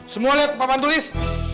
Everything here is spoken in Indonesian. semua liat tempat tempat tulis